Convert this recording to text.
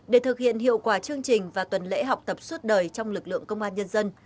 để thực hiện hiệu quả chương trình và tuần lễ học tập suốt đời trong lực lượng công an nhân dân